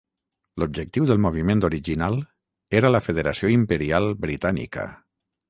L'objectiu del moviment original era la federació imperial britànica.